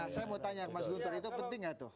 saya mau tanya ke mas guntur itu penting nggak tuh